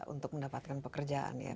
untuk mendapatkan pekerjaan ya